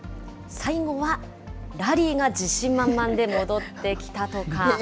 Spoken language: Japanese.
最後はラリーが自信満々で戻ってきたとか。